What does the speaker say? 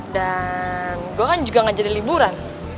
dan gue kan juga gak jadi liburan